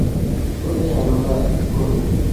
ওহ, হ্যাঁ, আমরা করব।